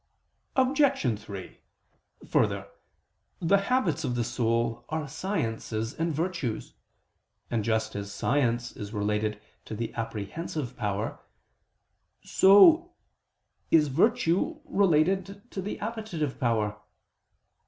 Obj. 3: Further, the habits of the soul are sciences and virtues: and just as science is related to the apprehensive power, so it virtue related to the appetitive power.